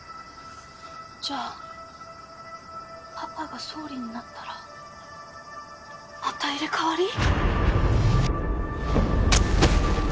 じゃあパパが総理になったらまた入れ替わり！？